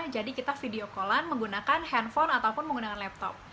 jadi kita video call an menggunakan handphone ataupun menggunakan laptop